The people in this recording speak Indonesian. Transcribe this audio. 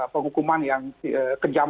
penghukuman yang kejam